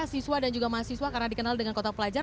siswa dan juga mahasiswa karena dikenal dengan kota pelajar